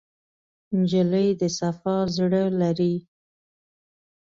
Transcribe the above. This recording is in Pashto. نجلۍ د صفا زړه لري.